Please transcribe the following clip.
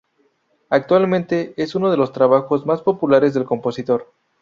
Actualmente es uno de los trabajos más populares del compositor.